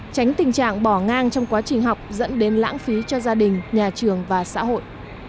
tránh tình trạng bỏ ngang trong quá trình học dẫn đến lãng phí cho gia đình nhà trường và xã hội